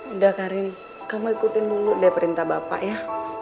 udah karin kamu ikutin dulu deh perintah bapak ya